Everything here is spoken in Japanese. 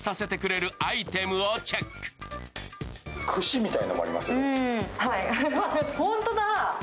くしみたいなのもあります。